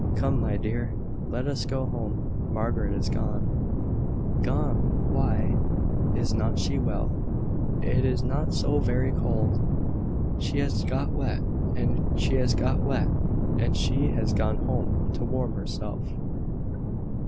"Come, my dear, let us go home. Margaret is gone." "Gone! Why? Is not she well? It is not so very cold." "She has got wet, and she has gone home to warm herself."